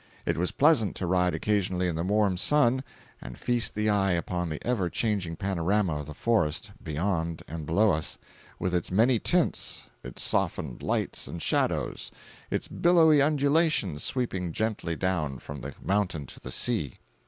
It was pleasant to ride occasionally in the warm sun, and feast the eye upon the ever changing panorama of the forest (beyond and below us), with its many tints, its softened lights and shadows, its billowy undulations sweeping gently down from the mountain to the sea.